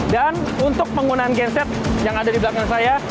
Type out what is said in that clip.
dan untuk penggunaan genset yang ada di belakang saya